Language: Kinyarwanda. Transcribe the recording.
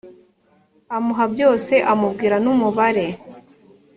amuha byose amubwira n umubare